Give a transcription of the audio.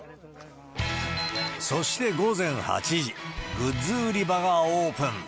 そして午前８時、グッズ売り場がオープン。